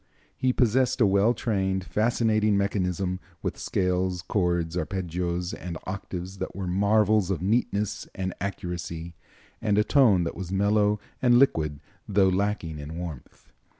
He possessed a well trained, fascinating mechanism, with scales, chords, arpeggios and octaves that were marvels of neatness and accuracy, and a tone that was mellow and liquid, though lacking in warmth.